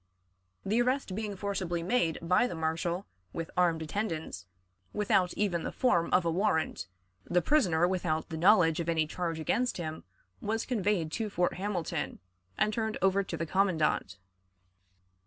The arrest being forcibly made by the marshal with armed attendants without even the form of a warrant, the prisoner without the knowledge of any charge against him was conveyed to Fort Hamilton and turned over to the commandant.